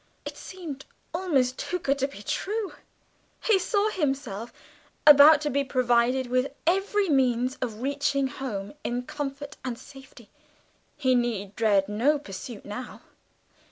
It seemed almost too good to be true! He saw himself about to be provided with every means of reaching home in comfort and safety. He need dread no pursuit now.